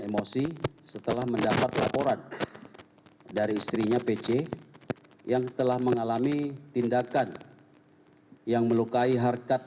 emosi setelah mendapat laporan dari istrinya pc yang telah mengalami tindakan yang melukai harkat